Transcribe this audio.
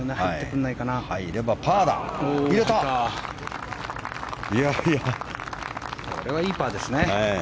これはいいパーですね。